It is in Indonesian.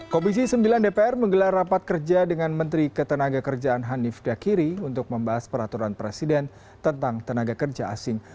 komisi sembilan dpr menggelar rapat kerja dengan menteri ketenaga kerjaan hanif dakiri untuk membahas peraturan presiden tentang tenaga kerja asing